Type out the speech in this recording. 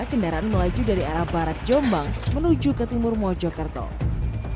kendaraan melaju dari arah barat jombang menuju ke timur mojokerto